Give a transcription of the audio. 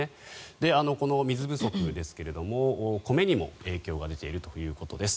この水不足ですが、米にも影響が出ているということです。